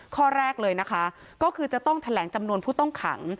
ข้อแรกเลยนะคะก็คือจะต้องแถลงจำนวนผู้ต้องขัง